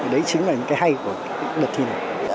đấy chính là cái hay của đợt thi này